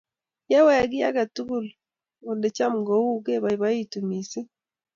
Yewek kiy ake tukul ole cham ko uu kepoipoitu missing'